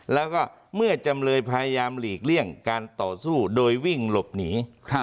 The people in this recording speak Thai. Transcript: แล้วก็เมื่อจำเลยพยายามหลีกเลี่ยงการต่อสู้โดยวิ่งหลบหนี